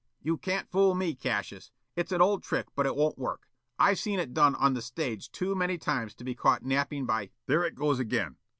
"You can't fool me, Cassius. It's an old trick but it won't work. I've seen it done on the stage too many times to be caught napping by, " "There it goes again.